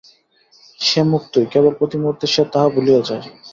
সে মুক্তই, কেবল প্রতি মুহূর্তে সে তাহা ভুলিয়া যায়।